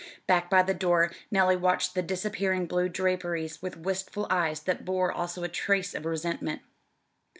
Back by the door Nellie watched the disappearing blue draperies with wistful eyes that bore also a trace of resentment.